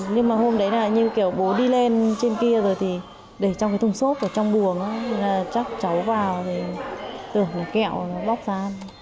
nhưng mà hôm đấy là như kiểu bố đi lên trên kia rồi thì để trong cái thùng xốp ở trong buồng chắc cháu vào thì tưởng kẹo bóc ra